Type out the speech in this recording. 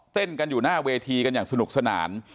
เต้นกันอยู่หน้าเวทีกันอย่างสนุกสนาน